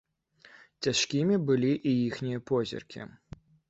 Цяжкімі былі і іхнія позіркі.